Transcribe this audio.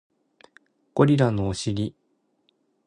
ゴリラのお尻